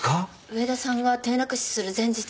上田さんが転落死する前日。